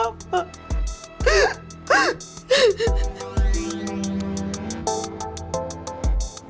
jangan pergi jangan ngingetin mama